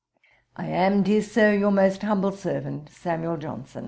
'I am, dear Sir, 'Your most humble servant, 'SAM, JOHNSON.'